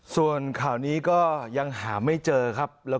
ส่วนข่าวนี้ก็ยังหาไม่เจอครับ